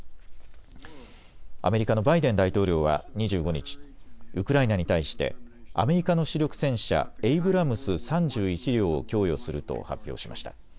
アメリカのバイデン大統領は２５日、ウクライナに対してアメリカの主力戦車、エイブラムス３１両を供与すると発表しました。